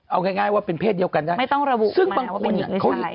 เอาง่ายง่ายว่าเป็นเพศเดียวกันนะไม่ต้องระบุหมายว่าเป็นหญิงหรือชาย